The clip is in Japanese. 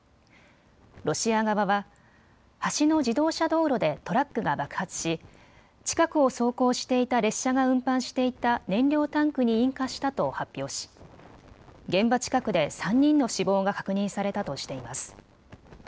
ロシア側は橋の自動車道路でトラックが爆発し、近くを走行していた列車が運搬していた燃料タンクに引火したと発表し、現場近くで３人の死亡が確認されたとしています。